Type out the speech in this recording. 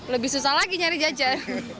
lebih susah lagi nyari jajan